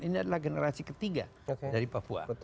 ini adalah generasi ketiga dari papua